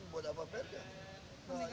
buat apa verda